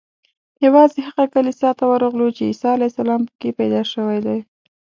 یوازې هغه کلیسا ته ورغلو چې عیسی علیه السلام په کې پیدا شوی دی.